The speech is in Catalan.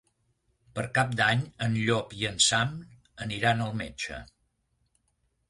Per Cap d'Any en Llop i en Sam aniran al metge.